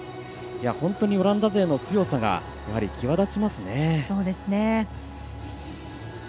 本当にオランダ勢の強さが際立ちますね。